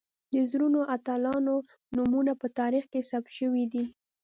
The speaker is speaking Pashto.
د زړورو اتلانو نومونه په تاریخ کې ثبت شوي دي.